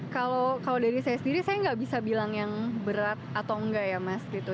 kalau dari saya sendiri saya nggak bisa bilang yang berat atau enggak ya mas gitu